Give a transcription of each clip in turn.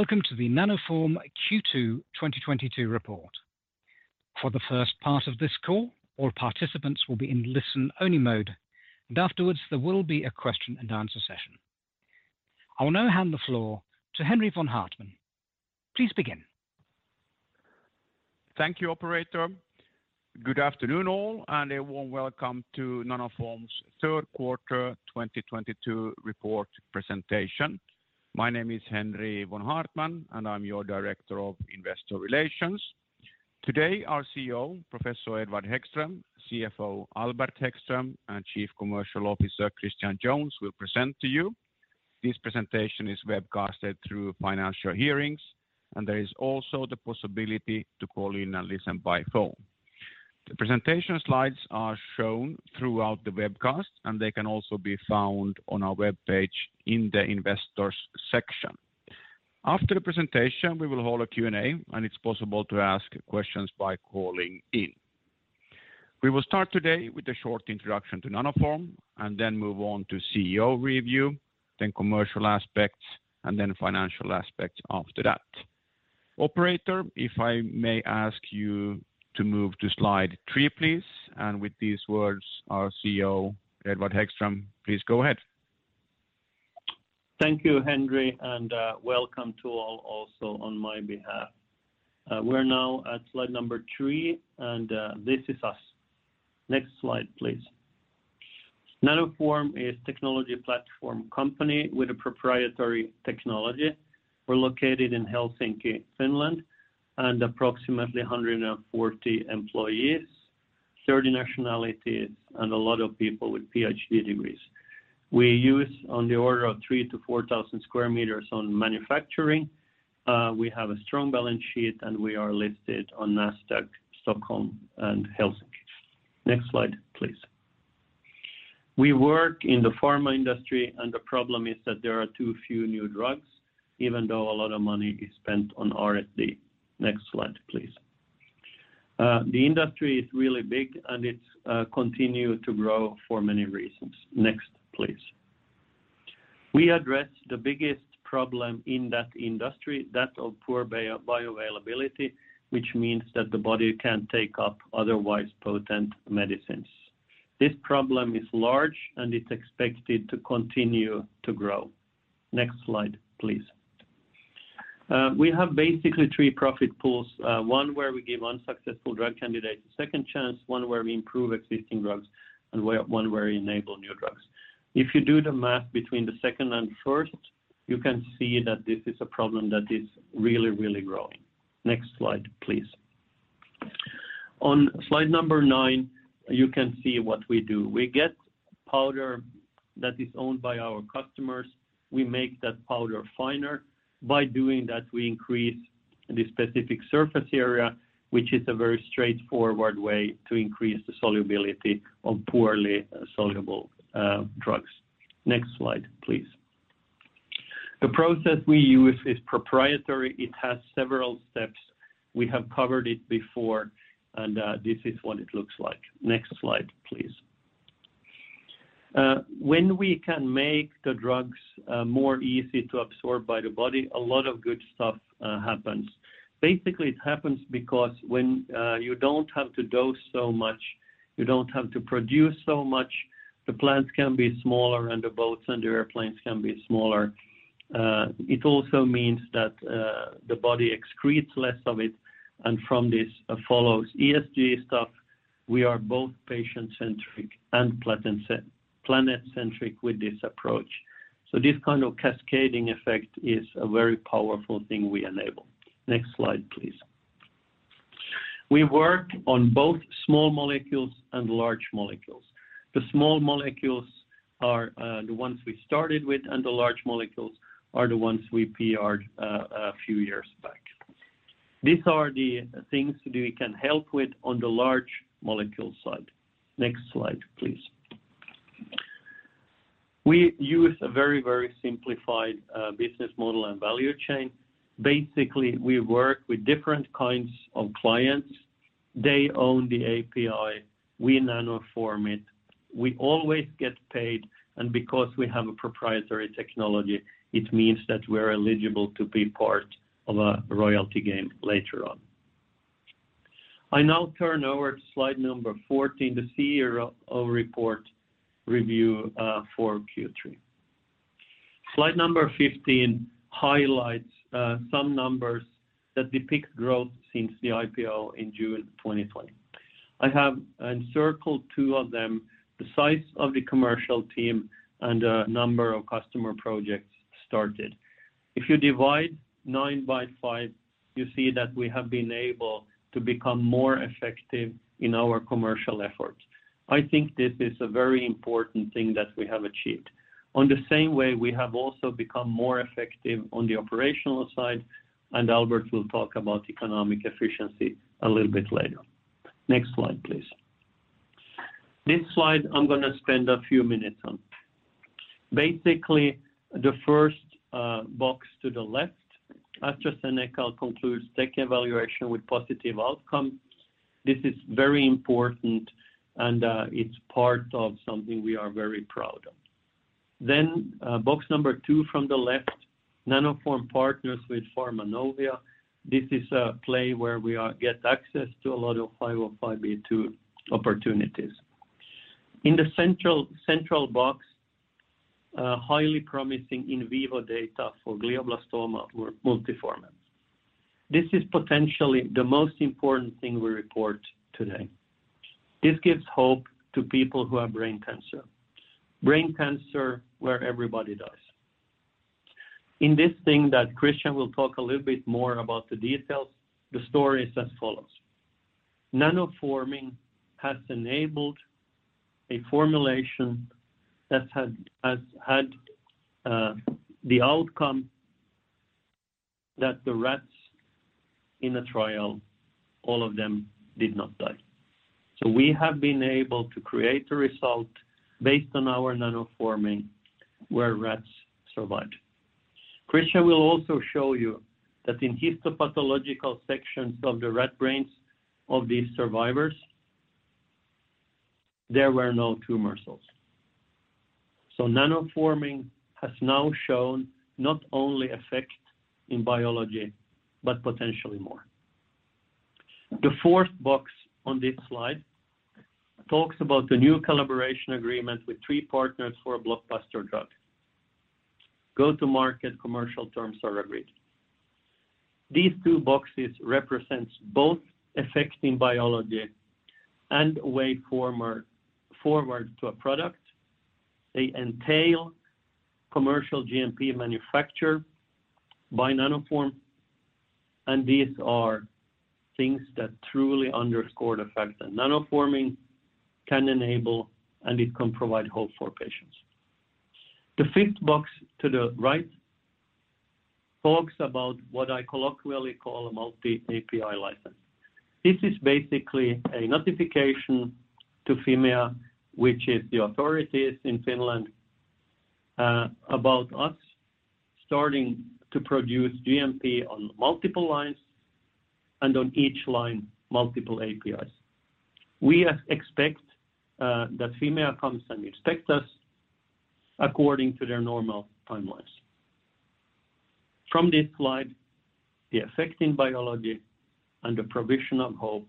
Welcome to the Nanoform Q2 2022 report. For the first part of this call, all participants will be in listen-only mode. Afterwards, there will be a question-and-answer session. I will now hand the floor to Henri von Haartman. Please begin. Thank you, operator. Good afternoon, all. A warm welcome to Nanoform's Q1 2022 report presentation. My name is Henri von Haartman, and I'm your Director of Investor Relations. Today, our CEO, Professor Edward Hæggström, CFO Albert Hæggström, and Chief Commercial Officer Christian Jones will present to you. This presentation is webcasted through FinancialHearings. There is also the possibility to call in and listen by phone. The presentation slides are shown throughout the webcast. They can also be found on our webpage in the investors section. After the presentation, we will hold a Q&A. It's possible to ask questions by calling in. We will start today with a short introduction to Nanoform and then move on to CEO review, then commercial aspects, and then financial aspects after that. Operator, if I may ask you to move to slide three, please. With these words, our CEO, Edward Hæggström, please go ahead. Thank you, Henri. Welcome to all also on my behalf. We're now at slide number three, and this is us. Next slide, please. Nanoform is technology platform company with a proprietary technology. We're located in Helsinki, Finland, and approximately 140 employees, 30 nationalities, and a lot of people with PhD degrees. We use on the order of 3,000-4,000 square meters on manufacturing. We have a strong balance sheet, and we are listed on Nasdaq Stockholm and Helsinki. Next slide, please. We work in the pharma industry, and the problem is that there are too few new drugs, even though a lot of money is spent on R&D. Next slide, please. The industry is really big, and it's continued to grow for many reasons. Next, please. We address the biggest problem in that industry, that of poor bioavailability, which means that the body can't take up otherwise potent medicines. This problem is large. It's expected to continue to grow. Next slide, please. We have basically three profit pools, one where we give unsuccessful drug candidates a second chance, one where we improve existing drugs, one where we enable new drugs. If you do the math between the second and first, you can see that this is a problem that is really growing. Next slide, please. On slide number nine, you can see what we do. We get powder that is owned by our customers. We make that powder finer. By doing that, we increase the specific surface area, which is a very straightforward way to increase the solubility of poorly soluble drugs. Next slide, please. The process we use is proprietary. It has several steps. We have covered it before and, this is what it looks like. Next slide, please. When we can make the drugs, more easy to absorb by the body, a lot of good stuff happens. Basically, it happens because when you don't have to dose so much, you don't have to produce so much. The plants can be smaller, and the boats and the airplanes can be smaller. It also means that the body excretes less of it, and from this follows ESG stuff. We are both patient-centric and planet-centric with this approach. This kind of cascading effect is a very powerful thing we enable. Next slide, please. We work on both small molecules and large molecules. The small molecules are, the ones we started with, and the large molecules are the ones we PR'd, a few years back. These are the things we can help with on the large molecule side. Next slide, please. We use a very, very simplified, business model and value chain. Basically, we work with different kinds of clients. They own the API, we nanoform it. We always get paid, and because we have a proprietary technology, it means that we're eligible to be part of a royalty game later on. I now turn over to slide number 14, the CEO report review, for Q3. Slide number 15 highlights, some numbers that depict growth since the IPO in June 2020. I have encircled two of them, the size of the commercial team and the number of customer projects started. If you divide 9 by 5, you see that we have been able to become more effective in our commercial efforts. I think this is a very important thing that we have achieved. On the same way, we have also become more effective on the operational side, and Albert will talk about economic efficiency a little bit later. Next slide, please. This slide I'm gonna spend a few minutes on. Basically, the first box to the left, AstraZeneca concludes tech evaluation with positive outcome. This is very important and it's part of something we are very proud of. Box number two from the left, Nanoform partners with Pharmanovia. This is a play where we get access to a lot of 505(b)(2) opportunities. In the central box, highly promising in vivo data for glioblastoma multiforme. This is potentially the most important thing we report today. This gives hope to people who have brain cancer. Brain cancer, where everybody dies. In this thing that Christian will talk a little bit more about the details, the story is as follows. Nanoforming has enabled a formulation that has had the outcome that the rats in the trial, all of them did not die. We have been able to create a result based on our Nanoforming where rats survived. Christian will also show you that in histopathological sections of the rat brains of these survivors, there were no tumor cells. Nanoforming has now shown not only effect in biology, but potentially more. The fourth box on this slide talks about the new collaboration agreement with three partners for a blockbuster drug. Go-to-market commercial terms are agreed. These two boxes represents both effects in biology and a way forward to a product. They entail commercial GMP manufacture by Nanoform, and these are things that truly underscore the fact that Nanoforming can enable, and it can provide hope for patients. The fifth box to the right talks about what I colloquially call a multi-API license. This is basically a notification to Fimea, which is the authorities in Finland, about us starting to produce GMP on multiple lines and on each line, multiple APIs. We expect that Fimea comes and inspect us according to their normal timelines. From this slide, the effect in biology and the provision of hope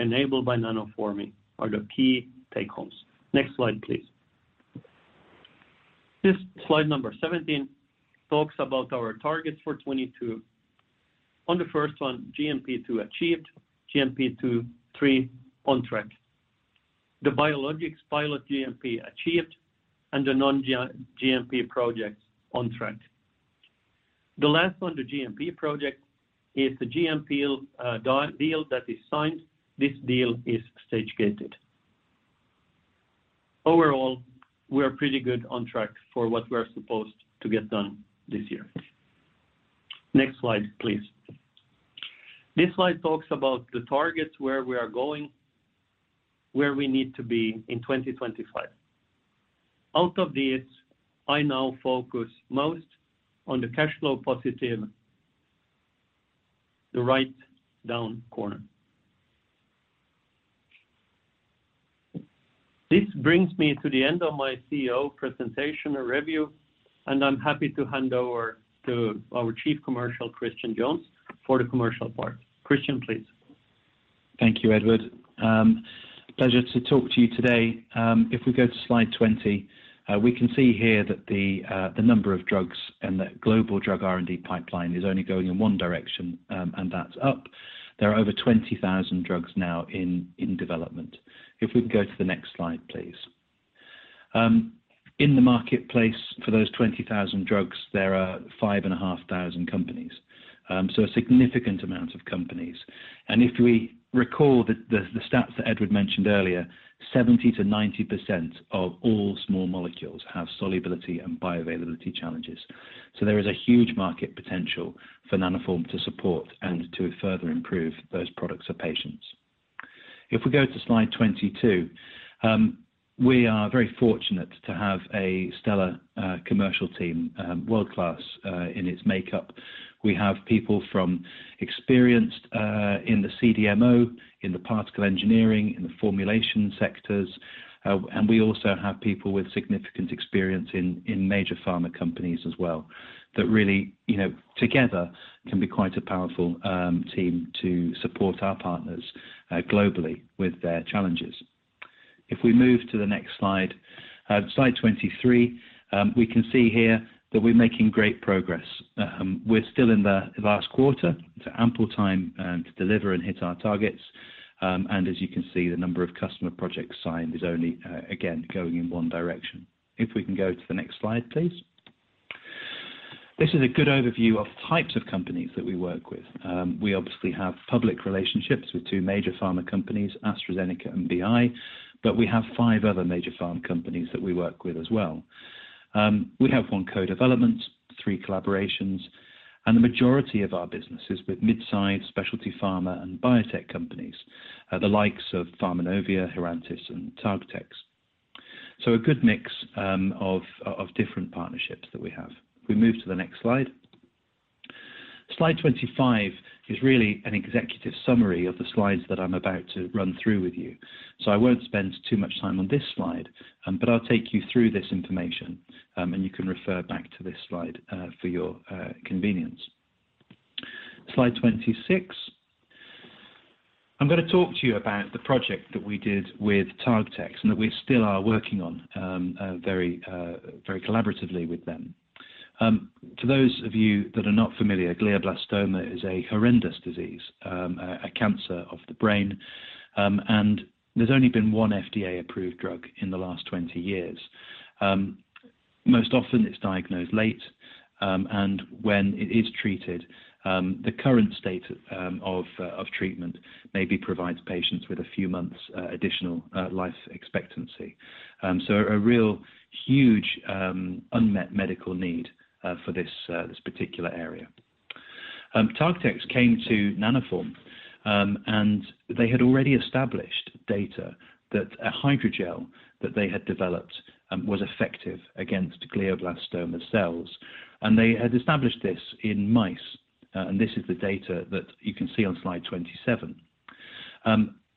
enabled by Nanoforming are the key take homes. Next slide, please. This slide number 17 talks about our targets for 2022. On the first one, GMP 2 achieved, GMP 2 3 on track. The biologics pilot GMP achieved and the non-GMP projects on track. The last one, the GMP project, is the GMP deal that is signed. This deal is stage-gated. Overall, we're pretty good on track for what we're supposed to get done this year. Next slide, please. This slide talks about the targets, where we are going, where we need to be in 2025. Out of this, I now focus most on the cash flow positive, the right down corner. This brings me to the end of my CEO presentation or review, I'm happy to hand over to our Chief Commercial, Christian Jones, for the commercial part. Christian, please. Thank you, Edward. Pleasure to talk to you today. If we go to slide 20, we can see here that the number of drugs and the global drug R&D pipeline is only going in one direction, and that's up. There are over 20,000 drugs now in development. If we can go to the next slide, please. In the marketplace for those 20,000 drugs, there are 5,500 companies. A significant amount of companies. If we recall the stats that Edward mentioned earlier, 70%-90% of all small molecules have solubility and bioavailability challenges. There is a huge market potential for Nanoform to support and to further improve those products for patients. If we go to slide 22, we are very fortunate to have a stellar commercial team, world-class in its makeup. We have people from experienced in the CDMO, in the particle engineering, in the formulation sectors. We also have people with significant experience in major pharma companies as well, that really, you know, together can be quite a powerful team to support our partners globally with their challenges. If we move to the next slide 23, we can see here that we're making great progress. We're still in the last quarter, so ample time to deliver and hit our targets. As you can see, the number of customer projects signed is only again, going in one direction. If we can go to the next slide, please. This is a good overview of types of companies that we work with. We obviously have public relationships with two major pharma companies, AstraZeneca and BI. We have five other major pharma companies that we work with as well. We have one co-development, three collaborations. The majority of our business is with mid-size specialty pharma and biotech companies, the likes of Pharmanovia, Herantis, and TargTex. A good mix of different partnerships that we have. If we move to the next slide. Slide 25 is really an executive summary of the slides that I'm about to run through with you. I won't spend too much time on this slide. I'll take you through this information, and you can refer back to this slide for your convenience. Slide 26. I'm gonna talk to you about the project that we did with TargTex and that we still are working on very collaboratively with them. For those of you that are not familiar, glioblastoma is a horrendous disease, a cancer of the brain, and there's only been one FDA-approved drug in the last 20 years. Most often it's diagnosed late, and when it is treated, the current state of treatment maybe provides patients with a few months additional life expectancy. A real huge unmet medical need for this particular area. TargTex came to Nanoform, and they had already established data that a hydrogel that they had developed, was effective against glioblastoma cells, and they had established this in mice, and this is the data that you can see on slide 27.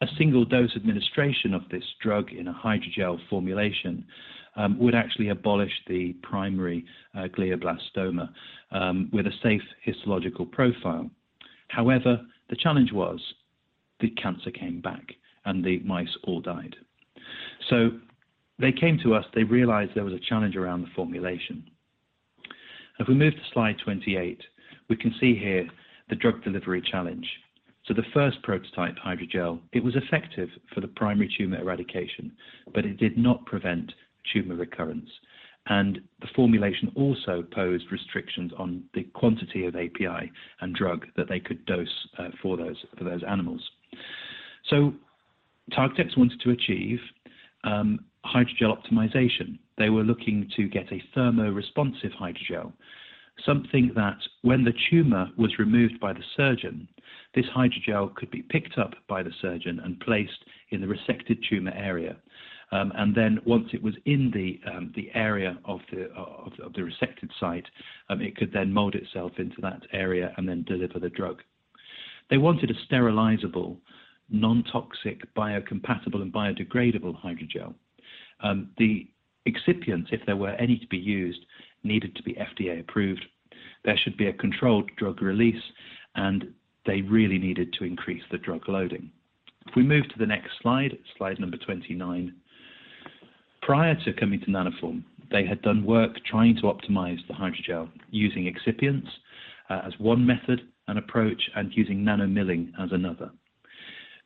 A single-dose administration of this drug in a hydrogel formulation, would actually abolish the primary glioblastoma, with a safe histological profile. However, the challenge was the cancer came back and the mice all died. They came to us, they realized there was a challenge around the formulation. If we move to slide 28, we can see here the drug delivery challenge. The first prototype hydrogel, it was effective for the primary tumor eradication, but it did not prevent tumor recurrence. The formulation also posed restrictions on the quantity of API and drug that they could dose for those animals. TargTex wanted to achieve hydrogel optimization. They were looking to get a thermoresponsive hydrogel, something that when the tumor was removed by the surgeon, this hydrogel could be picked up by the surgeon and placed in the resected tumor area. Once it was in the area of the resected site, it could then mold itself into that area and then deliver the drug. They wanted a sterilizable, non-toxic, biocompatible, and biodegradable hydrogel. The excipient, if there were any to be used, needed to be FDA approved, there should be a controlled drug release, and they really needed to increase the drug loading. If we move to the next slide number 29. Prior to coming to Nanoform, they had done work trying to optimize the hydrogel using excipients, as one method and approach, and using nanomilling as another.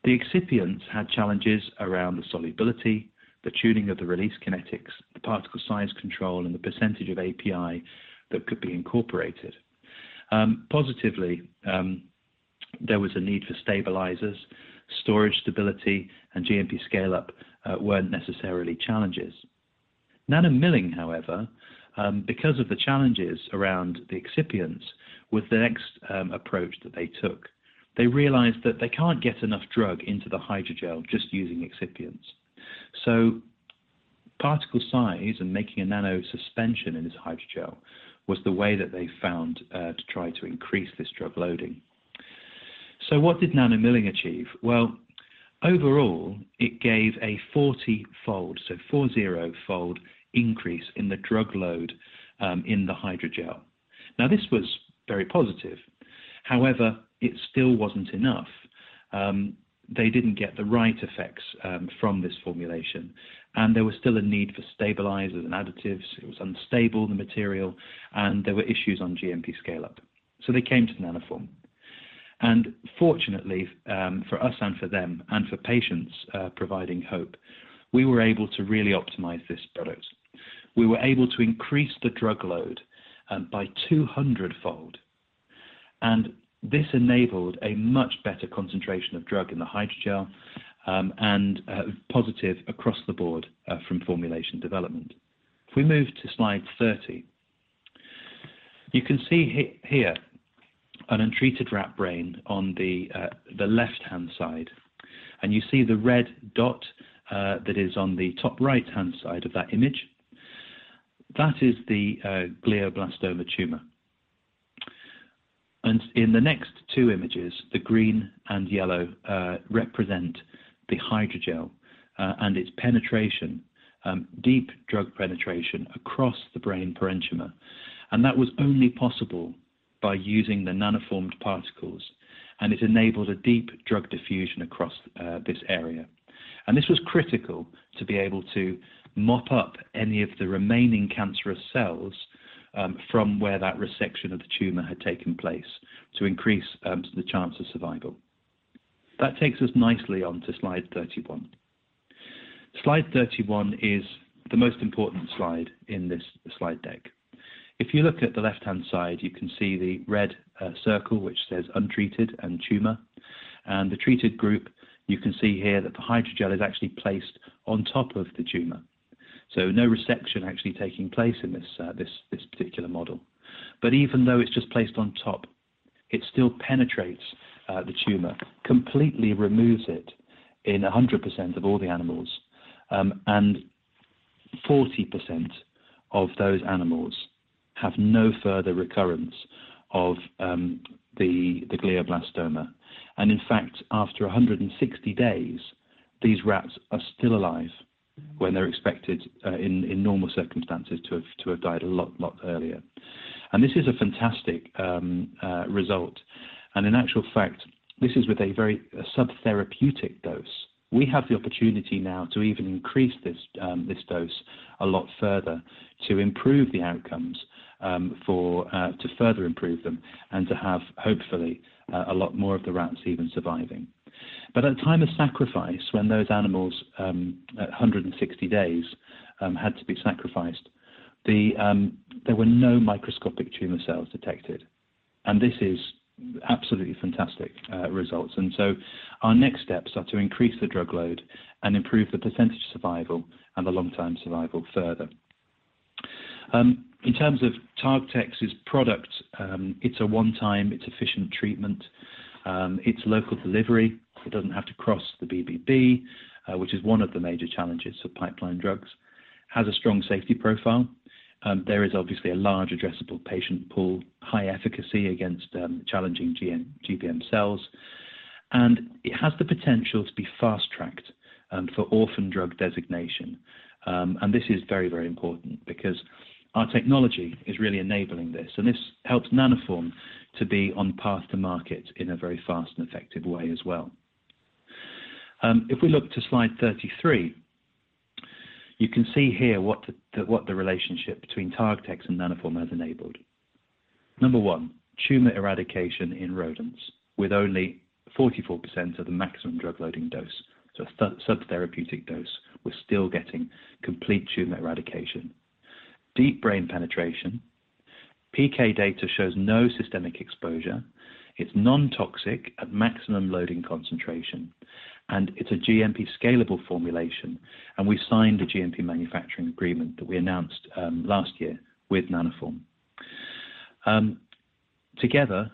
The excipients had challenges around the solubility, the tuning of the release kinetics, the particle size control, and the percentage of API that could be incorporated. Positively, there was a need for stabilizers. Storage stability and GMP scale-up, weren't necessarily challenges. Nanomilling, however, because of the challenges around the excipients, was the next approach that they took. They realized that they can't get enough drug into the hydrogel just using excipients. Particle size and making a nanosuspension in this hydrogel was the way that they found to try to increase this drug loading. What did nanomilling achieve? Overall, it gave a 40-fold, so 40-fold increase in the drug load, in the hydrogel. This was very positive, however, it still wasn't enough. They didn't get the right effects, from this formulation, and there was still a need for stabilizers and additives, it was unstable, the material, and there were issues on GMP scale-up. They came to Nanoform and fortunately, for us and for them and for patients, providing hope, we were able to really optimize this product. We were able to increase the drug load, by 200-fold, and this enabled a much better concentration of drug in the hydrogel, and positive across the board, from formulation development. If we move to slide 30. You can see here an untreated rat brain on the left-hand side, and you see the red dot that is on the top right-hand side of that image, that is the glioblastoma tumor. In the next two images, the green and yellow represent the hydrogel and its penetration, deep drug penetration across the brain parenchyma, and that was only possible by using the nanoformed particles, and it enabled a deep drug diffusion across this area. This was critical to be able to mop up any of the remaining cancerous cells from where that resection of the tumor had taken place to increase the chance of survival. That takes us nicely onto slide 31. Slide 31 is the most important slide in this slide deck. If you look at the left-hand side, you can see the red circle which says untreated and tumor, and the treated group, you can see here that the hydrogel is actually placed on top of the tumor, so no resection actually taking place in this particular model. Even though it's just placed on top, it still penetrates the tumor, completely removes it in 100% of all the animals. 40% of those animals have no further recurrence of the glioblastoma. In fact, after 160 days, these rats are still alive when they're expected in normal circumstances to have died a lot earlier. This is a fantastic result. In actual fact, this is with a very subtherapeutic dose. We have the opportunity now to even increase this dose a lot further to improve the outcomes, for to further improve them and to have, hopefully, a lot more of the rats even surviving. At the time of sacrifice, when those animals, at 160 days, had to be sacrificed, the there were no microscopic tumor cells detected. This is absolutely fantastic, results. Our next steps are to increase the drug load and improve the percentage of survival and the long-term survival further. In terms of TargTex's product, it's a one-time, it's efficient treatment. It's local delivery, so it doesn't have to cross the BBB, which is one of the major challenges for pipeline drugs. Has a strong safety profile. There is obviously a large addressable patient pool, high efficacy against challenging GBM cells. It has the potential to be fast-tracked for orphan drug designation. This is very important because our technology is really enabling this, and this helps Nanoform to be on path to market in a very fast and effective way as well. If we look to slide 33, you can see here what the relationship between TargTex and Nanoform has enabled. Number one, tumor eradication in rodents with only 44% of the maximum drug loading dose. Subtherapeutic dose, we're still getting complete tumor eradication. Deep brain penetration. PK data shows no systemic exposure. It's non-toxic at maximum loading concentration, and it's a GMP scalable formulation. We signed a GMP manufacturing agreement that we announced last year with Nanoform. Together,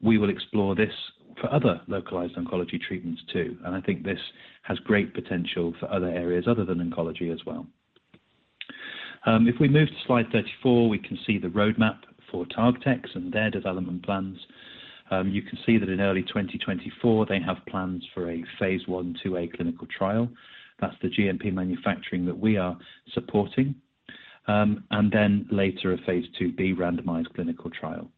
we will explore this for other localized oncology treatments too, and I think this has great potential for other areas other than oncology as well. If we move to slide 34, we can see the roadmap for TargTex and their development plans. You can see that in early 2024, they have plans for a phase I/IIa clinical trial. That's the GMP manufacturing that we are supporting. Later, a phase IIb randomized clinical trial.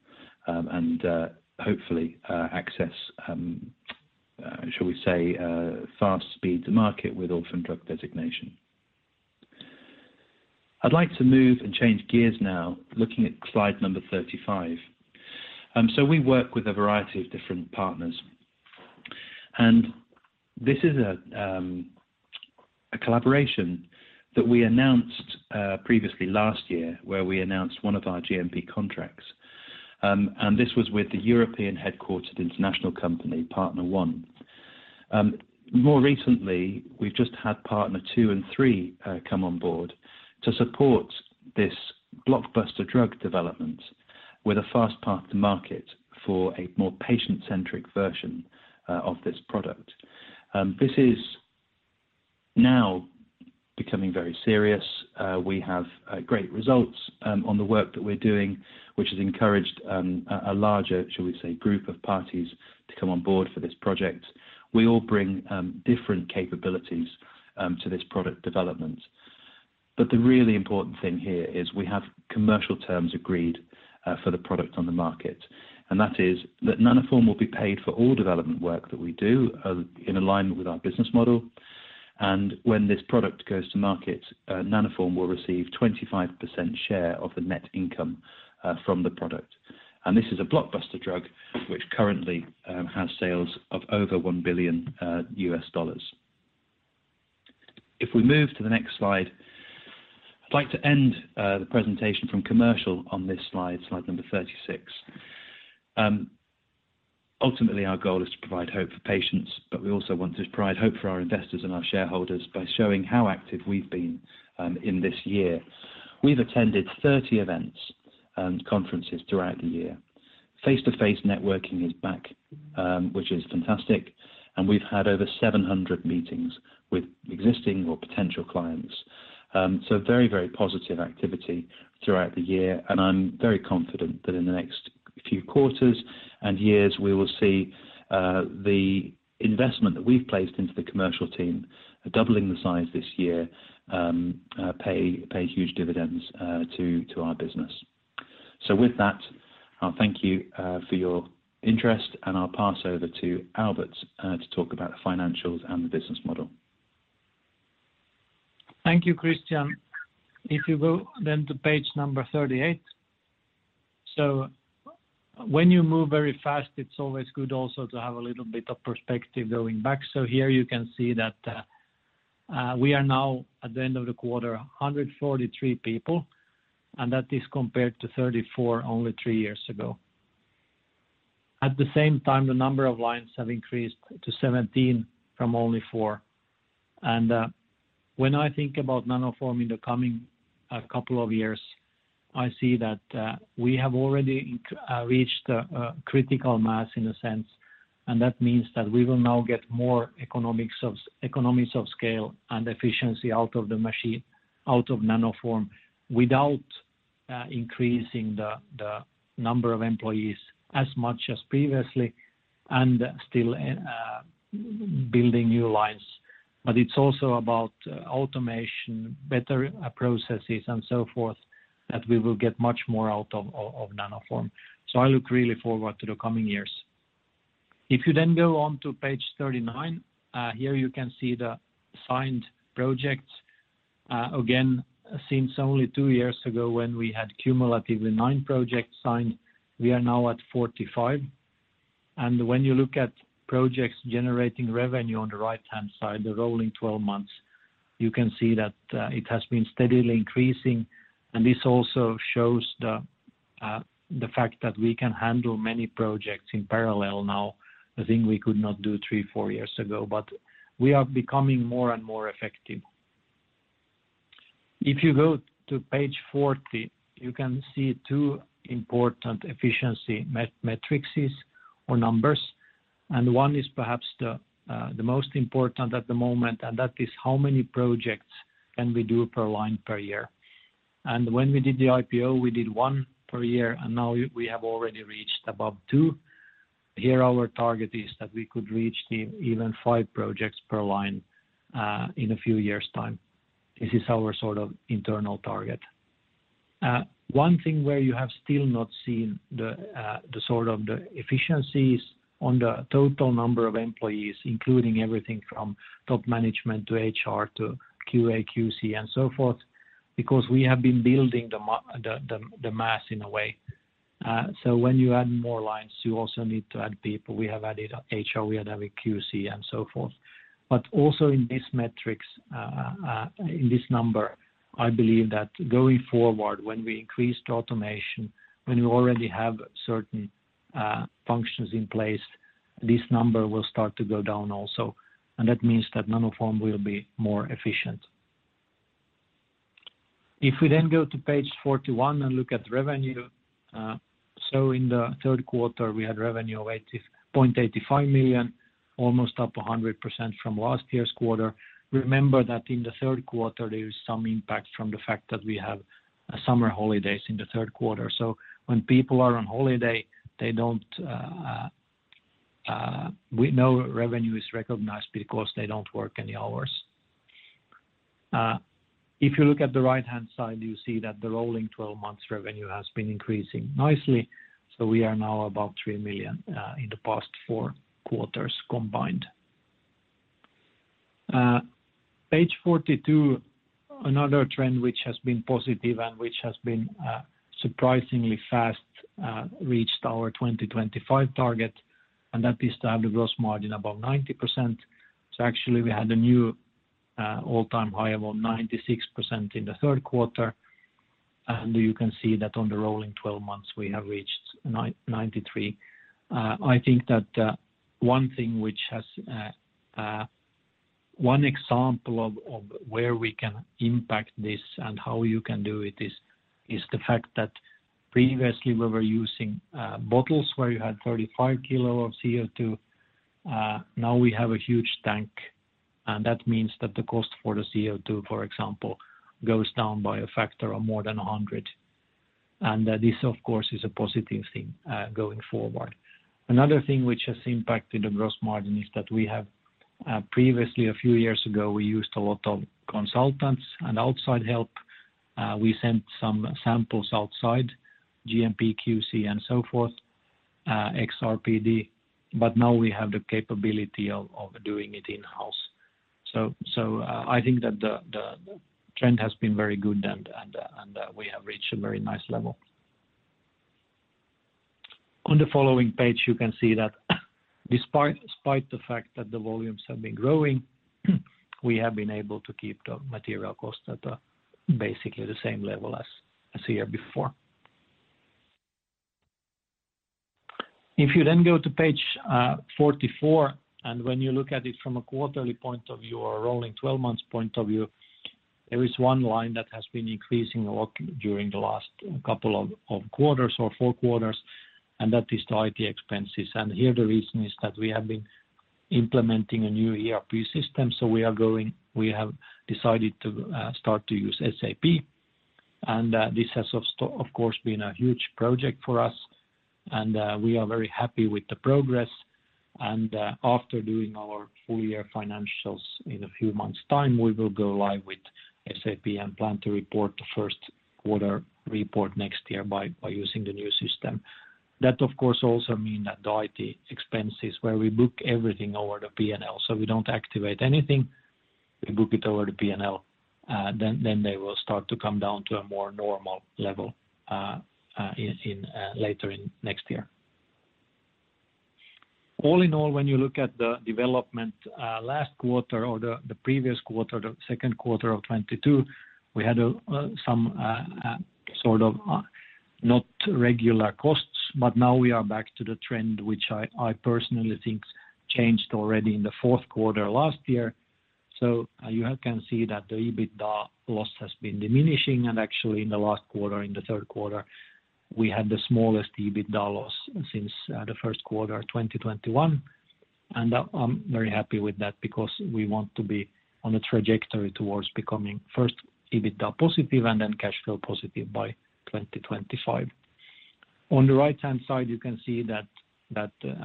Hopefully, access, shall we say, fast speed to market with orphan drug designation. I'd like to move and change gears now, looking at slide number 35. We work with a variety of different partners. This is a collaboration that we announced previously last year, where we announced one of our GMP contracts. This was with the European-headquartered international company, partner one. More recently, we've just had partner two and three come on board to support this blockbuster drug development with a fast path to market for a more patient-centric version of this product. This is now becoming very serious. We have great results on the work that we're doing, which has encouraged a larger, shall we say, group of parties to come on board for this project. We all bring different capabilities to this product development. The really important thing here is we have commercial terms agreed for the product on the market, and that is that Nanoform will be paid for all development work that we do in alignment with our business model. When this product goes to market, Nanoform will receive 25% share of the net income from the product. This is a blockbuster drug which currently has sales of over $1 billion. If we move to the next slide, I'd like to end the presentation from commercial on this slide number 36. Ultimately, our goal is to provide hope for patients, but we also want to provide hope for our investors and our shareholders by showing how active we've been in this year. We've attended 30 events and conferences throughout the year. Face-to-face networking is back, which is fantastic. We've had over 700 meetings with existing or potential clients. So very, very positive activity throughout the year. I'm very confident that in the next few quarters and years, we will see the investment that we've placed into the commercial team, doubling the size this year, pay huge dividends to our business. With that, I'll thank you for your interest, and I'll pass over to Albert to talk about the financials and the business model. Thank you, Christian. If you go to page number 38. When you move very fast, it's always good also to have a little bit of perspective going back. Here you can see that we are now at the end of the quarter, 143 people, and that is compared to 34 only three years ago. At the same time, the number of lines have increased to 17 from only four. When I think about Nanoform in the coming couple of years, I see that we have already reached a critical mass in a sense, and that means that we will now get more economies of scale and efficiency out of the machine, out of Nanoform, without increasing the number of employees as much as previously and still building new lines. It's also about automation, better processes, and so forth, that we will get much more out of Nanoform. I look really forward to the coming years. If you go on to page 39, here you can see the signed projects. Again, since only two years ago when we had cumulatively nine projects signed, we are now at 45. When you look at projects generating revenue on the right-hand side, the rolling 12 months, you can see that it has been steadily increasing. This also shows the fact that we can handle many projects in parallel now, a thing we could not do three, four years ago. We are becoming more and more effective. If you go to page 40, you can see two important efficiency metrics or numbers. One is perhaps the most important at the moment, and that is how many projects can we do per line per year. When we did the IPO, we did one per year, and now we have already reached above two. Here, our target is that we could reach even five projects per line in a few years' time. This is our sort of internal target. One thing where you have still not seen the sort of the efficiencies on the total number of employees, including everything from top management to HR to QA, QC, and so forth, because we have been building the mass in a way. When you add more lines, you also need to add people. We have added HR, we have added QC, and so forth. Also in this metrics, in this number, I believe that going forward, when we increase the automation, when we already have certain functions in place, this number will start to go down also. That means that Nanoform will be more efficient. If we then go to page 41 and look at revenue, in the Q3, we had revenue of 8.85 million, almost up 100% from last year's quarter. Remember that in the Q3, there is some impact from the fact that we have summer holidays in the Q3. When people are on holiday, they don't no revenue is recognized because they don't work any hours. If you look at the right-hand side, you see that the rolling 12 months revenue has been increasing nicely. We are now about 3 million in the past four quarters combined. Page 42, another trend which has been positive and which has been surprisingly fast reached our 2025 target, and that is to have the gross margin above 90%. Actually, we had a new all-time high of 96% in the Q3. You can see that on the rolling 12 months, we have reached 93%. I think that one thing which has One example of where we can impact this and how you can do it is the fact that previously we were using bottles where you had 35 kilo of CO2. Now we have a huge tank, and that means that the cost for the CO2, for example, goes down by a factor of more than 100. This, of course, is a positive thing, going forward. Another thing which has impacted the gross margin is that we have, previously a few years ago, we used a lot of consultants and outside help. We sent some samples outside, GMP, QC, and so forth, XRPD. Now we have the capability of doing it in-house. I think that the trend has been very good and we have reached a very nice level. On the following page, you can see that despite the fact that the volumes have been growing, we have been able to keep the material costs at, basically the same level as the year before. You go to page 44, when you look at it from a quarterly point of view or rolling 12 months point of view, there is one line that has been increasing a lot during the last couple of quarters or four quarters, that is the IT expenses. Here the reason is that we have been implementing a new ERP system, so we have decided to start to use SAP. This has of course, been a huge project for us, we are very happy with the progress. After doing our full-year financials in a few months' time, we will go live with SAP and plan to report the Q1 report next year by using the new system. That of course also mean that the IT expenses, where we book everything over the P&L. We don't activate anything, we book it over the P&L. Then they will start to come down to a more normal level later in next year. All in all, when you look at the development last quarter or the previous quarter, the Q2 of 2022, we had some sort of not regular costs, but now we are back to the trend, which I personally think changed already in the Q4 last year. You can see that the EBITDA loss has been diminishing. And actually in the last quarter, in the Q3, we had the smallest EBITDA loss since the Q1 of 2021. And I'm very happy with that because we want to be on a trajectory towards becoming first EBITDA positive and then cash flow positive by 2025. On the right-hand side, you can see that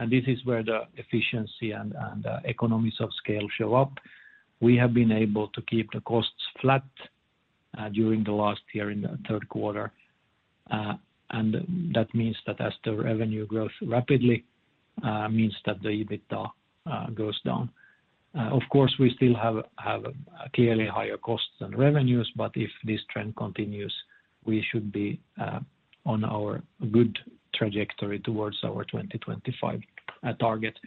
this is where the efficiency and economies of scale show up. We have been able to keep the costs flat during the last year in the Q3. That means that as the revenue grows rapidly, means that the EBITDA goes down. Of course, we still have clearly higher costs than revenues, if this trend continues, we should be on our good trajectory towards our 2025 target.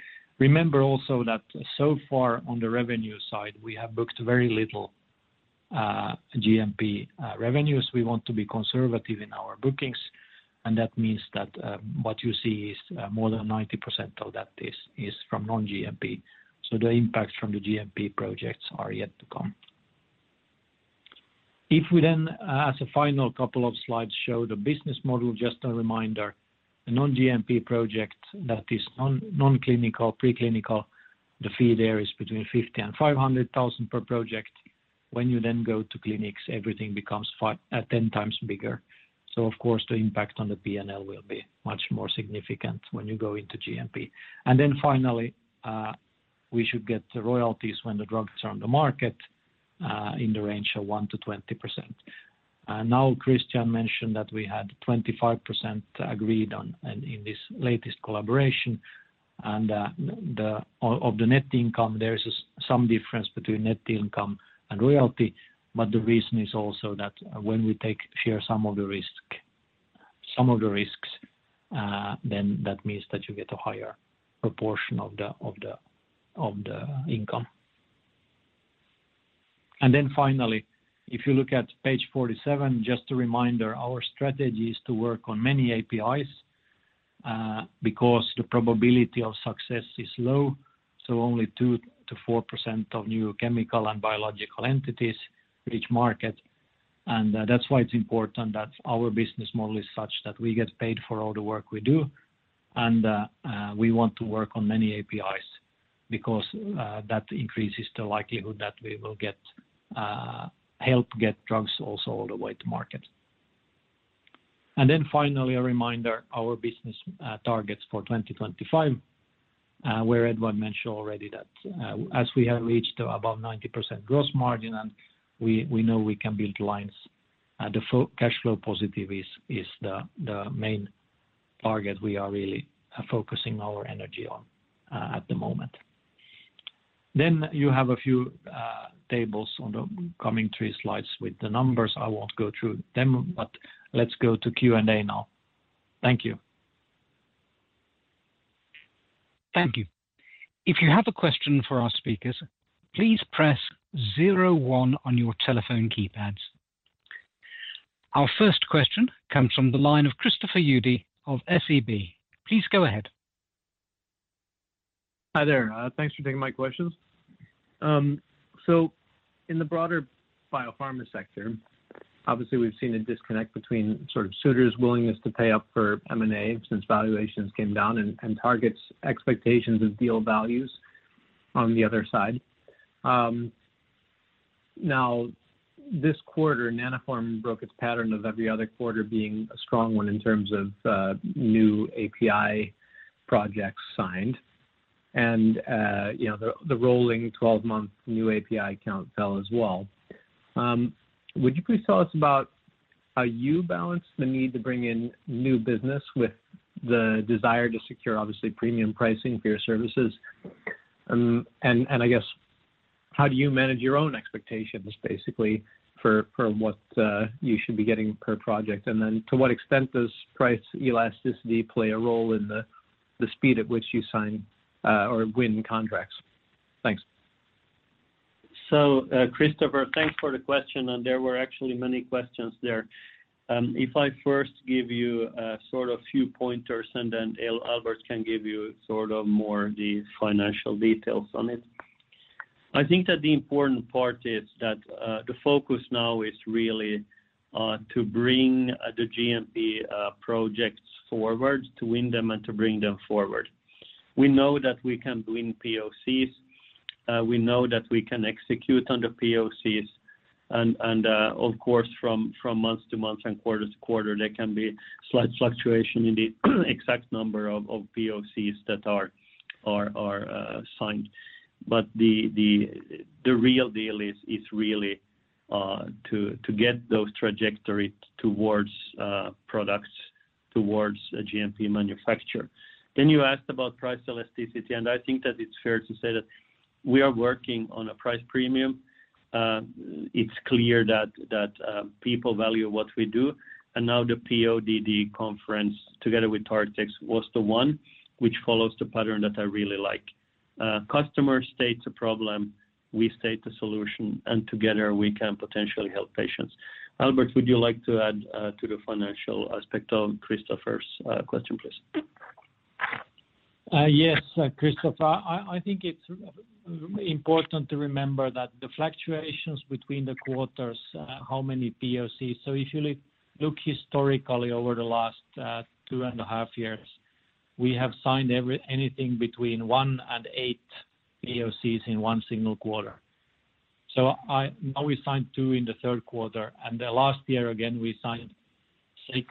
Remember also that so far on the revenue side, we have booked very little GMP revenues. We want to be conservative in our bookings, that means that what you see is more than 90% of that is from non-GMP. The impact from the GMP projects are yet to come. If we then, as a final couple of slides, show the business model, just a reminder, a non-GMP project that is non-clinical, pre-clinical, the fee there is between 50,000 and 500,000 per project. When you then go to clinics, everything becomes 10 times bigger. Of course, the impact on the P&L will be much more significant when you go into GMP. Finally, we should get the royalties when the drugs are on the market, in the range of 1%-20%. Now Christian mentioned that we had 25% agreed on in this latest collaboration. Of the net income, there is some difference between net income and royalty, but the reason is also that when we share some of the risks, then that means that you get a higher proportion of the income. Then finally, if you look at page 47, just a reminder, our strategy is to work on many APIs because the probability of success is low. Only 2%-4% of new chemical and biological entities reach market. That's why it's important that our business model is such that we get paid for all the work we do. We want to work on many APIs because that increases the likelihood that we will get help get drugs also all the way to market. Finally, a reminder, our business targets for 2025, where Edwin mentioned already that, as we have reached above 90% gross margin and we know we can build lines, cash flow positive is the main target we are really focusing our energy on at the moment. You have a few tables on the coming three slides with the numbers. I won't go through them, but let's go to Q&A now. Thank you. Thank you. If you have a question for our speakers, please press 01 on your telephone keypads. Our first question comes from the line of Christopher Uhde of SEB. Please go ahead. Hi there. thanks for taking my questions. In the broader biopharma sector, obviously, we've seen a disconnect between sort of suitors' willingness to pay up for M&A since valuations came down and targets expectations of deal values on the other side. Now, this quarter, Nanoform broke its pattern of every other quarter being a strong one in terms of new API projects signed. you know, the rolling 1 month new API count fell as well. Would you please tell us about how you balance the need to bring in new business with the desire to secure obviously premium pricing for your services? I guess how do you manage your own expectations basically for what you should be getting per project? To what extent does price elasticity play a role in the speed at which you sign or win contracts? Thanks. Christopher, thanks for the question. There were actually many questions there. If I first give you a sort of few pointers and then Albert can give you sort of more the financial details on it. I think that the important part is that the focus now is really to bring the GMP projects forward, to win them and to bring them forward. We know that we can win POCs. We know that we can execute on the POCs. Of course, from month to month and quarter to quarter, there can be slight fluctuation in the exact number of POCs that are signed. The real deal is really to get those trajectory towards products, towards a GMP manufacture. You asked about price elasticity, and I think that it's fair to say that we are working on a price premium. It's clear that people value what we do. Now the PODD conference, together with TargTex, was the one which follows the pattern that I really like. Customer states a problem, we state the solution, and together we can potentially help patients. Albert, would you like to add to the financial aspect of Christopher's question, please? Yes, Christopher. I think it's important to remember that the fluctuations between the quarters, how many POCs. If you look historically over the last 2.5 Years, we have signed anything between one and eight POCs in one single quarter. Now we signed two in the Q3, and the last year again, we signed six.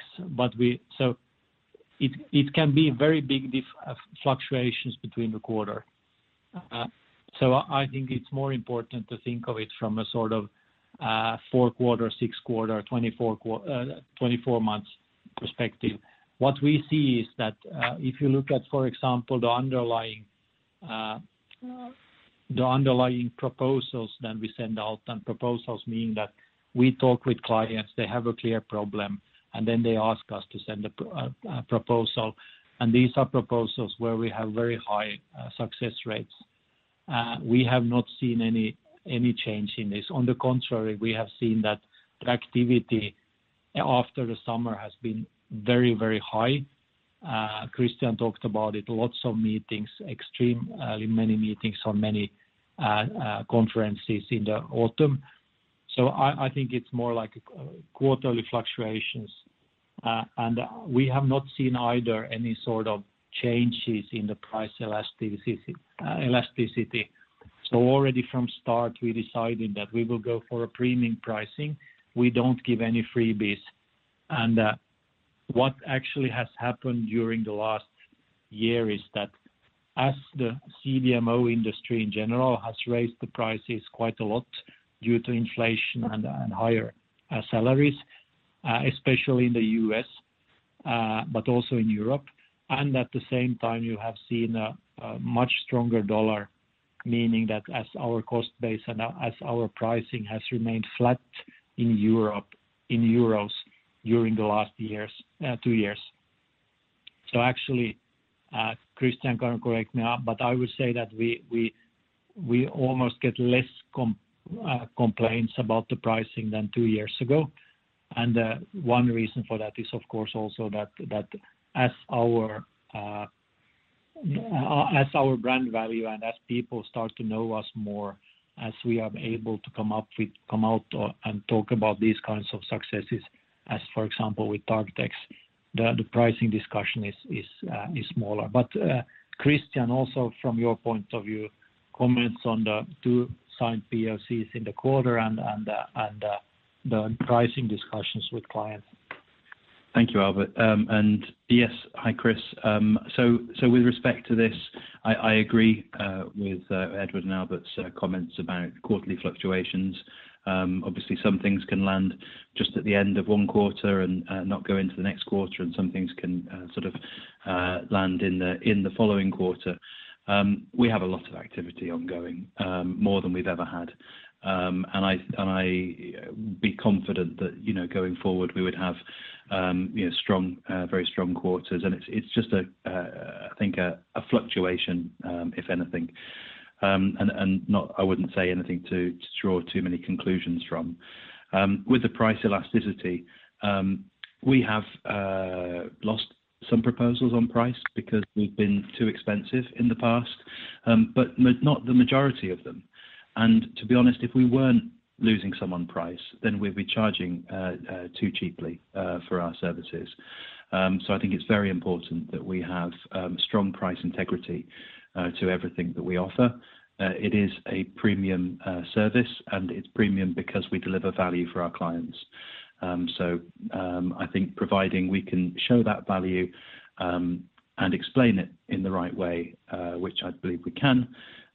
It can be very big fluctuations between the quarters. I think it's more important to think of it from a sort of, four quarter, six quarter, 24 months perspective. What we see is that, if you look at, for example, the underlying, the underlying proposals that we send out, proposals mean that we talk with clients, they have a clear problem, then they ask us to send a proposal. These are proposals where we have very high success rates. We have not seen any change in this. On the contrary, we have seen that the activity after the summer has been very high. Christian talked about it, lots of meetings, extremely many meetings or many conferences in the autumn. I think it's more like quarterly fluctuations. We have not seen either any sort of changes in the price elasticity. Already from start, we decided that we will go for a premium pricing. We don't give any freebies. What actually has happened during the last year is that as the CDMO industry in general has raised the prices quite a lot due to inflation and higher salaries, especially in the U.S., but also in Europe. At the same time, you have seen a much stronger dollar, meaning that as our cost base and as our pricing has remained flat in Europe, in euros during the last years, two years. Actually, Christian can correct me up, but I would say that we almost get less complaints about the pricing than two years ago. One reason for that is, of course, also that as our brand value and as people start to know us more, as we are able to come out and talk about these kinds of successes, as, for example, with TargTex, the pricing discussion is smaller. Christian, also from your point of view, comments on the two signed POCs in the quarter and the pricing discussions with clients. Thank you, Albert. Yes. Hi, Chris. With respect to this, I agree, with Edward and Albert's comments about quarterly fluctuations. Obviously, some things can land just at the end of one quarter and not go into the next quarter, and some things can sort of land in the, in the following quarter. We have a lot of activity ongoing, more than we've ever had. I would be confident that, you know, going forward, we would have, you know, strong, very strong quarters. It's just a, I think a fluctuation, if anything. Not I wouldn't say anything to draw too many conclusions from. With the price elasticity, we have lost some proposals on price because we've been too expensive in the past, but not the majority of them. To be honest, if we weren't losing some on price, then we'd be charging too cheaply for our services. I think it's very important that we have strong price integrity to everything that we offer. It is a premium service, and it's premium because we deliver value for our clients. I think providing we can show that value and explain it in the right way, which I believe we can,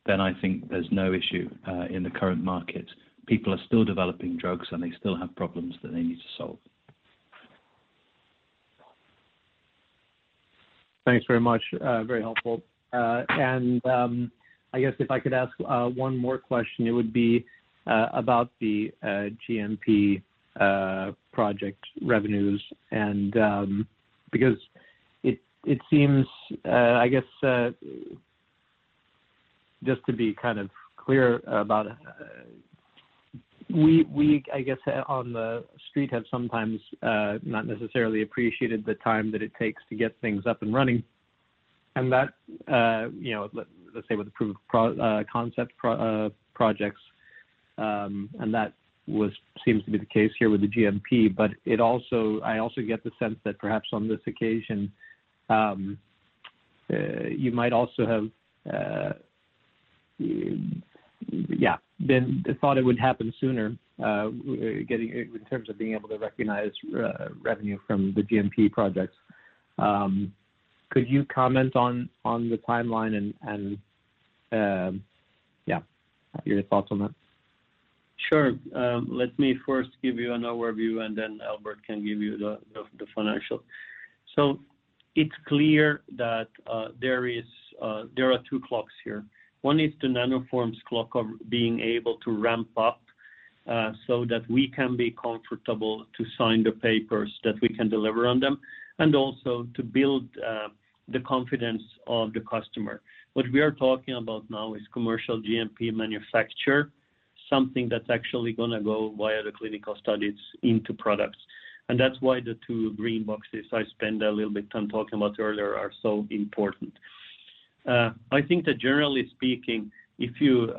then I think there's no issue in the current market. People are still developing drugs, and they still have problems that they need to solve. Thanks very much. Very helpful. I guess if I could ask one more question, it would be about the GMP project revenues. Because it seems, I guess, just to be kind of clear about... We, I guess, on the street have sometimes not necessarily appreciated the time that it takes to get things up and running, and that, you know, let's say with the proof of concept projects, and that was seems to be the case here with the GMP, but I also get the sense that perhaps on this occasion, you might also have, yeah, then thought it would happen sooner, getting in terms of being able to recognize revenue from the GMP projects. Could you comment on the timeline and, yeah, your thoughts on that? Sure. Let me first give you an overview, and then Albert can give you the financial. It's clear that there are two clocks here. One is the Nanoform's clock of being able to ramp up so that we can be comfortable to sign the papers that we can deliver on them, also to build the confidence of the customer. What we are talking about now is commercial GMP manufacture, something that's actually gonna go via the clinical studies into products. That's why the two green boxes I spend a little bit time talking about earlier are so important. I think that generally speaking, if you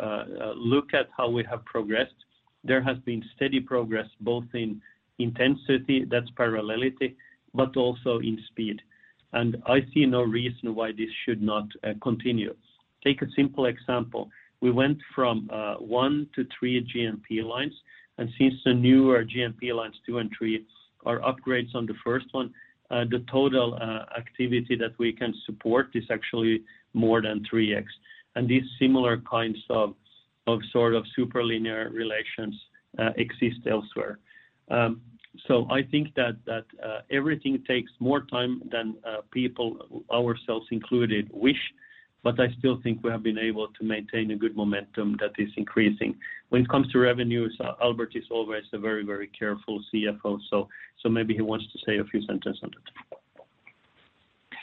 look at how we have progressed, there has been steady progress both in intensity, that's parallelity, but also in speed. I see no reason why this should not continue. Take a simple example. We went from one to three GMP lines, since the newer GMP lines two and three are upgrades on the first one, the total activity that we can support is actually more than 3x. These similar kinds of sort of super linear relations exist elsewhere. I think that everything takes more time than people, ourselves included, wish, but I still think we have been able to maintain a good momentum that is increasing. When it comes to revenues, Albert is always a very careful CFO, so maybe he wants to say a few sentences on that.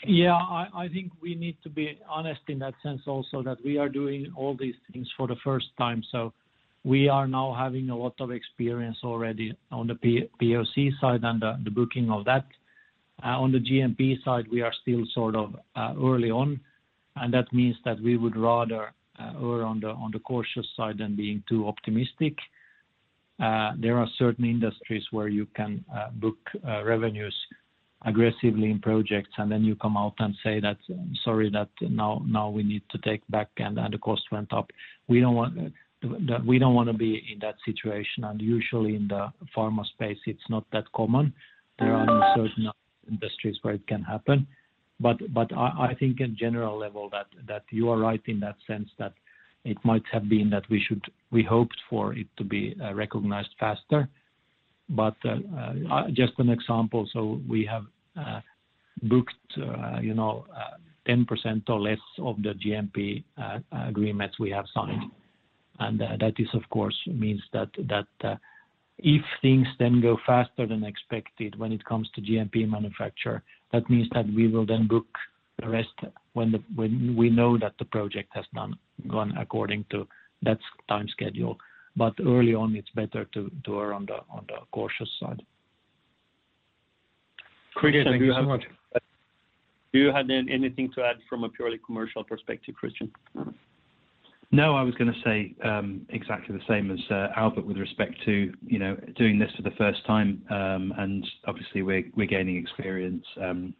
Yeah. I think we need to be honest in that sense also that we are doing all these things for the first time. We are now having a lot of experience already on the POC side and the booking of that. On the GMP side, we are still sort of early on, that means that we would rather err on the cautious side than being too optimistic. There are certain industries where you can book revenues aggressively in projects, then you come out and say that, "Sorry that now we need to take back and the cost went up." We don't want. We don't wanna be in that situation. Usually in the pharma space, it's not that common. There are certain industries where it can happen. I think in general level that you are right in that sense that it might have been that we hoped for it to be recognized faster. Just an example, so we have booked, you know, 10% or less of the GMP agreements we have signed. That is, of course, means that if things then go faster than expected when it comes to GMP manufacture, that means that we will then book the rest when we know that the project has gone according to that time schedule. Early on, it's better to err on the cautious side. Christian, do you have- Thank you so much. Do you have anything to add from a purely commercial perspective, Christian? I was gonna say exactly the same as Albert with respect to, you know, doing this for the first time. Obviously we're gaining experience and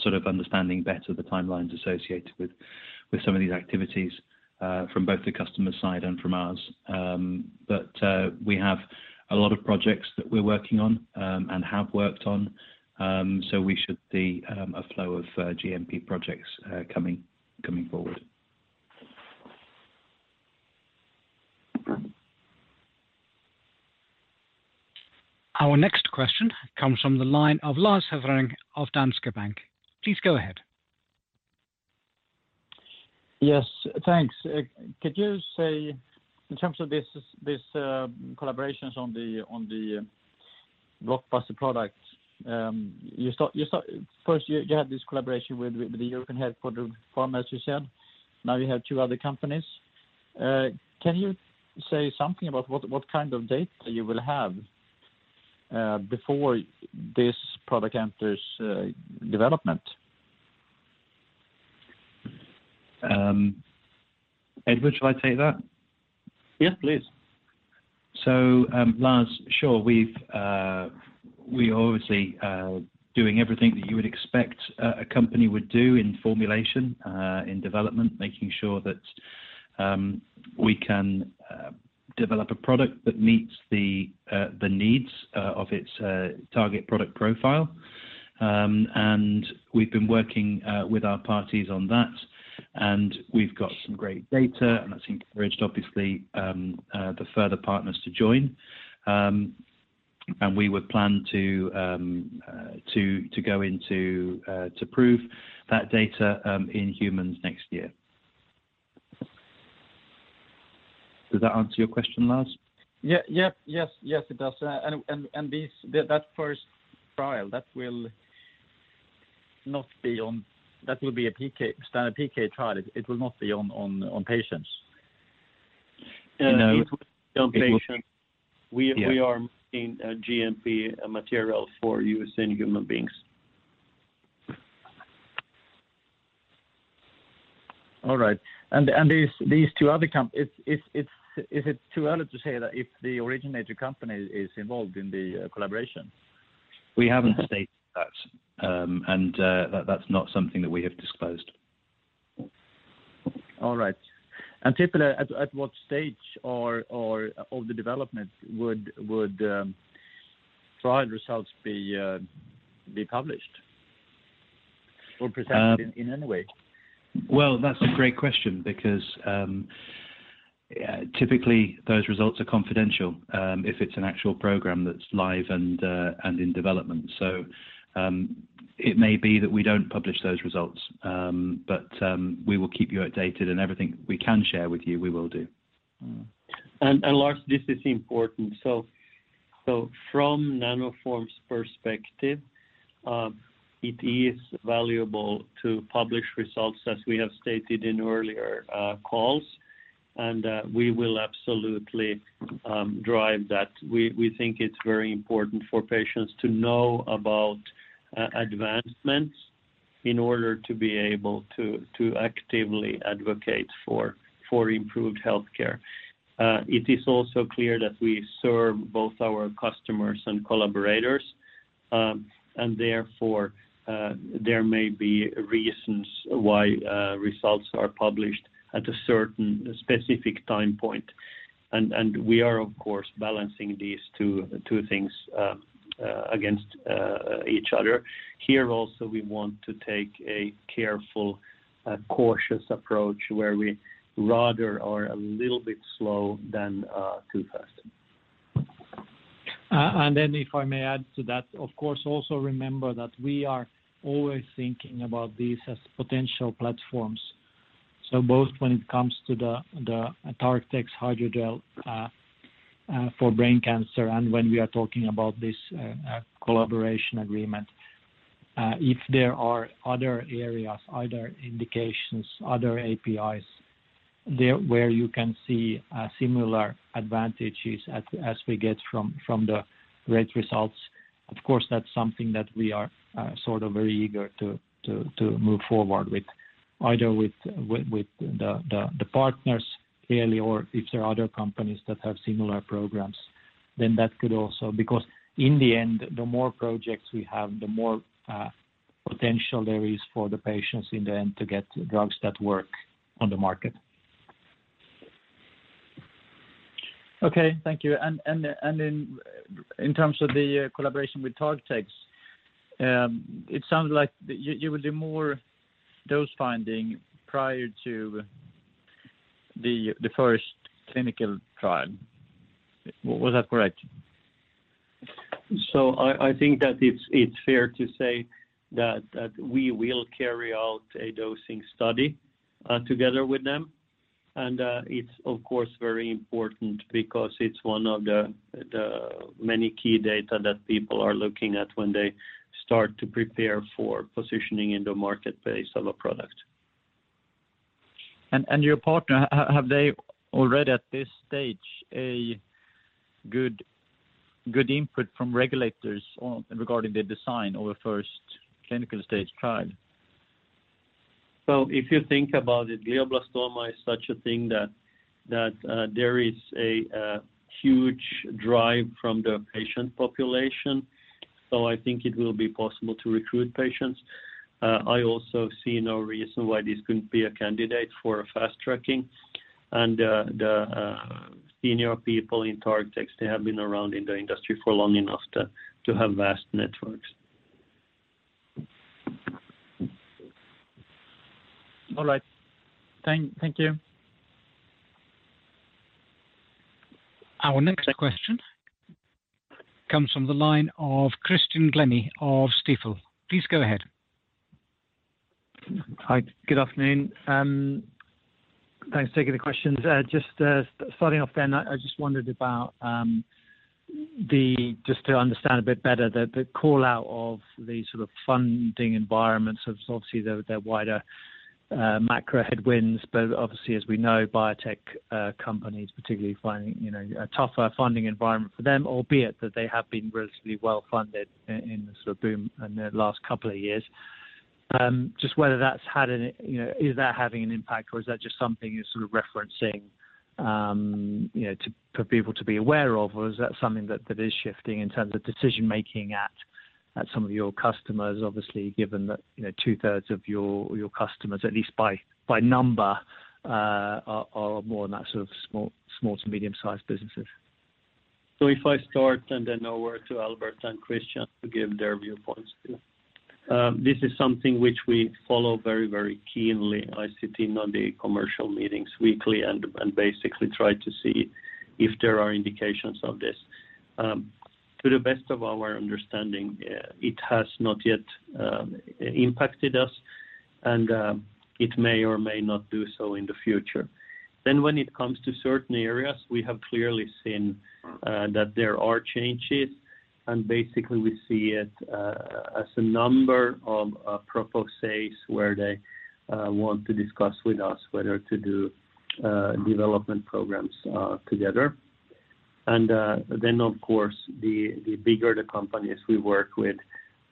sort of understanding better the timelines associated with some of these activities from both the customer side and from ours. We have a lot of projects that we're working on and have worked on. We should see a flow of GMP projects coming forward. Our next question comes from the line of Lars Hevreng of Danske Bank. Please go ahead. Yes, thanks. Could you say in terms of this collaborations on the blockbuster products, First, you had this collaboration with the European head for the pharma, as you said. Now you have two other companies. Can you say something about what kind of data you will have before this product enters development? Edward, should I take that? Yes, please. Lars, sure. We've, we're obviously doing everything that you would expect a company would do in formulation, in development, making sure that we can develop a product that meets the needs of its target product profile. And we've been working with our parties on that, and we've got some great data, and that's encouraged obviously the further partners to join. And we would plan to go in to prove that data in humans next year. Does that answer your question, Lars? Yeah. Yep. Yes. Yes, it does. That first trial, that will not be on. That will be a PK, standard PK trial. It will not be on patients. No. It will be on patients. Yeah. We are making a GMP material for use in human beings. All right. These two other. It's... Is it too early to say that if the originator company is involved in the collaboration? We haven't stated that. That's not something that we have disclosed. All right. typically, at what stage or of the development would trial results be published or presented? Um- in any way? That's a great question because, typically those results are confidential, if it's an actual program that's live and in development. It may be that we don't publish those results, but we will keep you updated and everything we can share with you, we will do. Lars, this is important. From Nanoform's perspective, it is valuable to publish results as we have stated in earlier calls, and we will absolutely drive that. We think it's very important for patients to know about advancements in order to be able to actively advocate for improved health care. It is also clear that we serve both our customers and collaborators, and therefore, there may be reasons why results are published at a certain specific time point. We are, of course, balancing these two things against each other. Here also, we want to take a careful, cautious approach where we rather are a little bit slow than too fast. If I may add to that, of course, also remember that we are always thinking about these as potential platforms. Both when it comes to the TargTex hydrogel for brain cancer and when we are talking about this collaboration agreement. If there are other areas, other indications, other APIs there where you can see similar advantages as we get from the great results, of course, that's something that we are sort of very eager to move forward with. Either with the partners clearly, or if there are other companies that have similar programs, that could also. In the end, the more projects we have, the more potential there is for the patients in the end to get drugs that work on the market. Okay. Thank you. In terms of the collaboration with TargTex, it sounds like you will do more dose finding prior to the first clinical trial. Was that correct? I think that it's fair to say that we will carry out a dosing study together with them. It's of course, very important because it's one of the many key data that people are looking at when they start to prepare for positioning in the marketplace of a product. Your partner, have they already at this stage a good input from regulators on regarding the design of a first clinical stage trial? If you think about it, glioblastoma is such a thing that there is a huge drive from the patient population. I think it will be possible to recruit patients. I also see no reason why this couldn't be a candidate for fast-tracking. The senior people in TargTex, they have been around in the industry for long enough to have vast networks. All right. Thank you. Our next question comes from the line of Christian Glennie of Stifel. Please go ahead. Hi. Good afternoon. Thanks for taking the questions. Just starting off then, I just wondered about the, just to understand a bit better, the call-out of the sort of funding environment. Obviously, there are wider macro headwinds, but obviously, as we know, biotech companies particularly finding, you know, a tougher funding environment for them, albeit that they have been relatively well-funded in the sort of boom in the last couple of years. You know, is that having an impact or is that just something you're sort of referencing, you know, to, for people to be aware of, or is that something that is shifting in terms of decision-making at some of your customers? Obviously, given that, you know, two-thirds of your customers, at least by number, are more in that sort of small to medium-sized businesses. If I start and then over to Albert and Christian to give their viewpoints too. This is something which we follow very, very keenly. I sit in on the commercial meetings weekly and basically try to see if there are indications of this. To the best of our understanding, it has not yet impacted us and it may or may not do so in the future. When it comes to certain areas, we have clearly seen that there are changes, and basically, we see it as a number of proposals where they want to discuss with us whether to do development programs together. Then, of course, the bigger the companies we work with,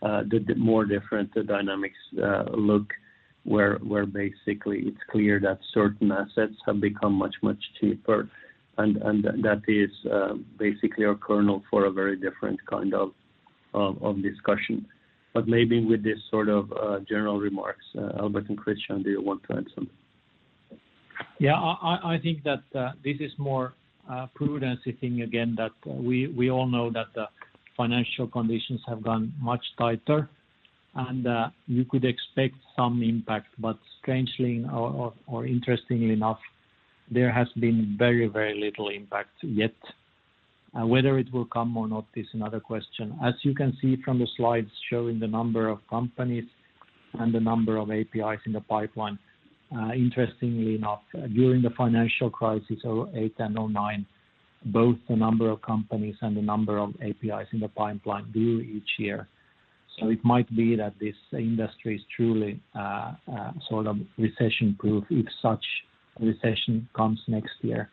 the more different the dynamics, look where basically it's clear that certain assets have become much, much cheaper. That is basically a kernel for a very different kind of discussion. Maybe with this sort of general remarks, Albert and Christian, do you want to add something? I think that this is more a prudency thing again that we all know that the financial conditions have gone much tighter, and you could expect some impact. Strangely or interestingly enough, there has been very little impact yet. Whether it will come or not is another question. As you can see from the slides showing the number of companies and the number of APIs in the pipeline, interestingly enough, during the financial crisis, 2008 and 2009, both the number of companies and the number of APIs in the pipeline grew each year. It might be that this industry is truly sort of recession-proof if such recession comes next year.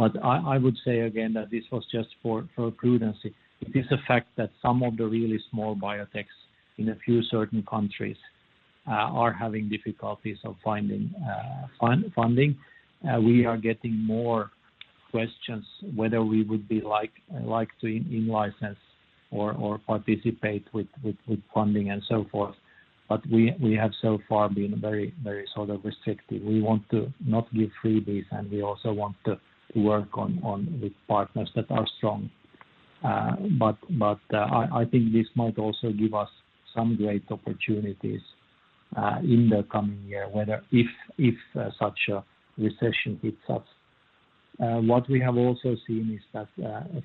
I would say again that this was just for prudence. It is a fact that some of the really small biotechs in a few certain countries, are having difficulties of finding funding. We are getting more questions whether we would be like to in license or participate with funding and so forth. We have so far been very sort of restrictive. We want to not give freebies, and we also want to work on with partners that are strong. I think this might also give us some great opportunities, in the coming year, whether if such a recession hits us. What we have also seen is that,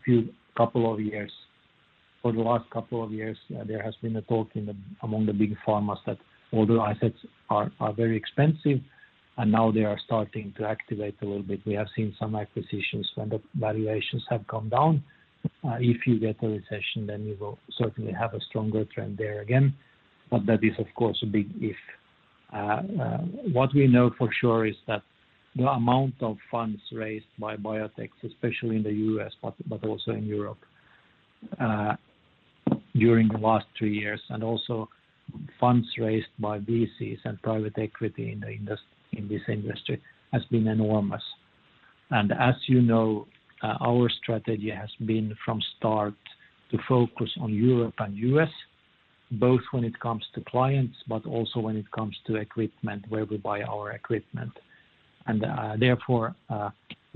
a couple of years—for the last couple of years, there has been a talk among the big pharmas that although assets are very expensive, now they are starting to activate a little bit. We have seen some acquisitions when the valuations have come down. If you get a recession, then you will certainly have a stronger trend there again, but that is, of course, a big if. What we know for sure is that the amount of funds raised by biotechs, especially in the U.S. but also in Europe, during the last two years, and also funds raised by VCs and private equity in this industry has been enormous. As you know, our strategy has been from start to focus on Europe and U.S., both when it comes to clients but also when it comes to equipment, where we buy our equipment. Therefore,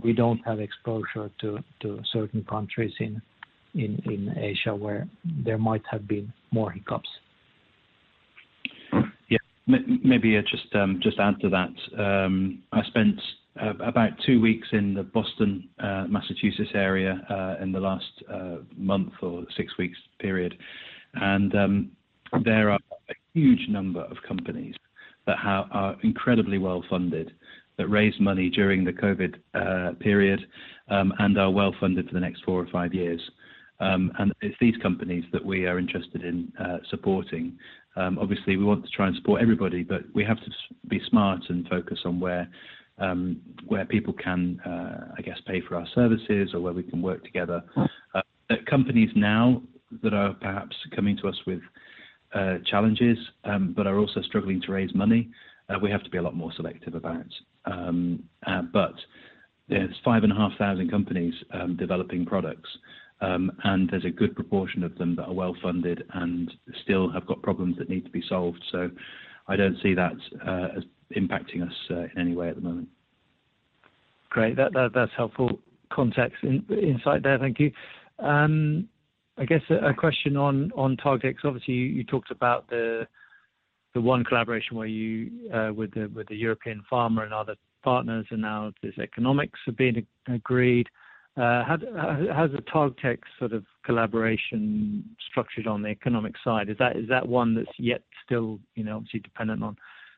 we don't have exposure to certain countries in Asia, where there might have been more hiccups. Yeah. Maybe I just add to that. I spent about two weeks in the Boston, Massachusetts area, in the last month or six weeks period. There are a huge number of companies that are incredibly well-funded, that raised money during the COVID period, and are well-funded for the next four or five years. It's these companies that we are interested in supporting. Obviously, we want to try and support everybody, but we have to be smart and focus on where people can, I guess, pay for our services or where we can work together. Companies now that are perhaps coming to us with challenges, but are also struggling to raise money, we have to be a lot more selective about. There's 5,500 companies, developing products, and there's a good proportion of them that are well-funded and still have got problems that need to be solved. I don't see that, as impacting us, in any way at the moment. Great. That's helpful context insight there. Thank you. I guess a question on TargTex. Obviously, you talked about the one collaboration where you with the European pharma and other partners, and now its economics are being agreed. How is the TargTex sort of collaboration structured on the economic side? Is that, is that one that's yet still, you know, obviously dependent on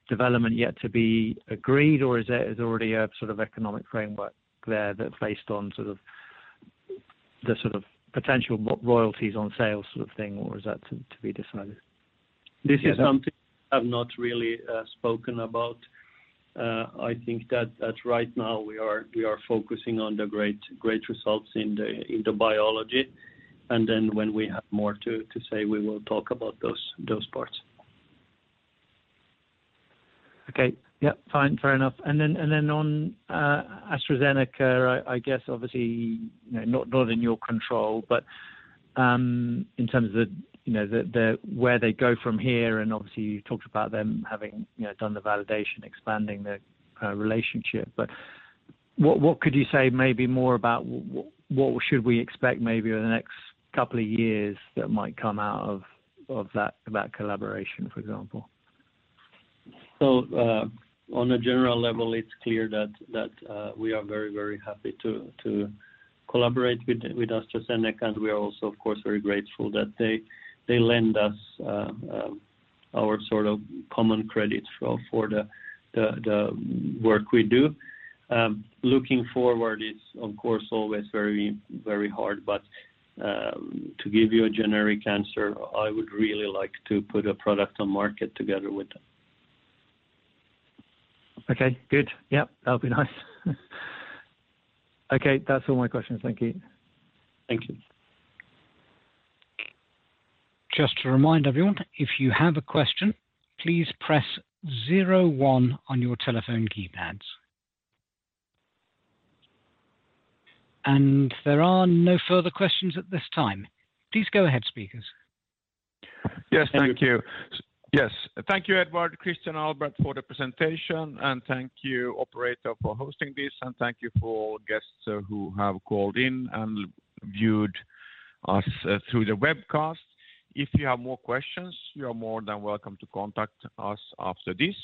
development yet to be agreed, or is it already a sort of economic framework there that based on sort of potential royalties on sales sort of thing, or is that to be decided? This is something I've not really, spoken about. I think that right now we are focusing on the great results in the biology. When we have more to say, we will talk about those parts. Okay. Yeah. Fine. Fair enough. Then, on AstraZeneca, I guess obviously, you know, not in your control, but, in terms of the, you know, the where they go from here, and obviously you talked about them having, you know, done the validation, expanding the relationship. What could you say maybe more about what should we expect maybe over the next couple of years that might come out of that collaboration, for example? On a general level, it's clear that we are very happy to collaborate with AstraZeneca, and we are also, of course, very grateful that they lend us our sort of common credit for the work we do. Looking forward is, of course, always very hard but to give you a generic answer, I would really like to put a product on market together with them. Okay. Good. Yeah. That'll be nice. Okay. That's all my questions. Thank you. Thank you. Just to remind everyone, if you have a question, please press 01 on your telephone keypads. There are no further questions at this time. Please go ahead, speakers. Thank you. Yes. Thank you. Yes. Thank you, Edward, Christian, Albert for the presentation. Thank you operator for hosting this. Thank you for guests who have called in and viewed us through the webcast. If you have more questions, you are more than welcome to contact us after this.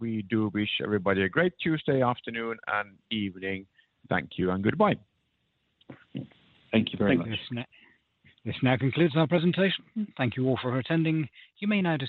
We do wish everybody a great Tuesday afternoon and evening. Thank you and goodbye. Thank you very much. Thank you. This now concludes our presentation. Thank you all for attending. You may now disconnect.